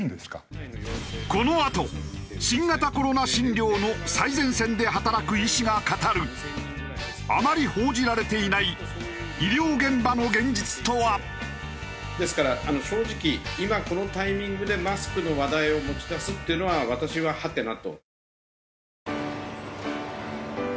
このあと新型コロナ診療の最前線で働く医師が語るあまり報じられていない医療現場の現実とは？ですから正直今このタイミングでマスクの話題を持ち出すっていうのは私はハテナと。